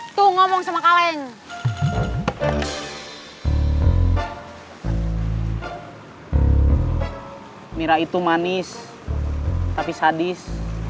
aku tau kalau mau ke mobil